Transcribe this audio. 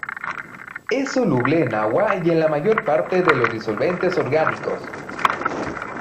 Es soluble en agua y en la mayor parte de los disolventes orgánicos.